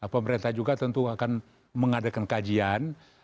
pemerintah juga tentu akan mengadakan kajian